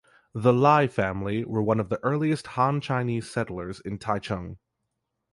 The Lai family were one of the earliest Han Chinese settlers in Taichung.